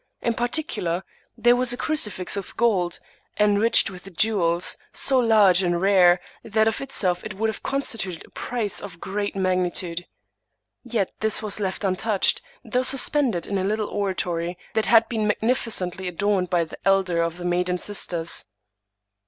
In particular, there was a crucifix of gold, enriched with jewels so large and rare, that of itself it would have constituted a prize of great magnitude. Yet this was left untouched, though suspended in a little oratory that had been magnificently adorned by the elder of the maiden sis ters.